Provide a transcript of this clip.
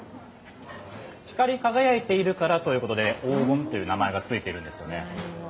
光り輝いているからということで黄金という名前がついているんですよね。